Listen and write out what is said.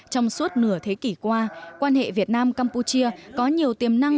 trong suốt nửa thế kỷ qua quan hệ việt nam campuchia có nhiều tiềm năng